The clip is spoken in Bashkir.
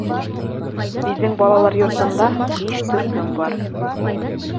Беҙҙең балалар йортонда биш төркөм бар.